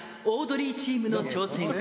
オードリーチームの挑戦。